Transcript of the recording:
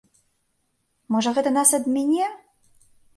Можа, гэта нас абміне?